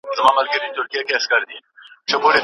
رېدي د پاچا امر په سر او سترګو ومانه.